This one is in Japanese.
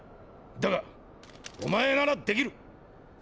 だがお前ならできる！。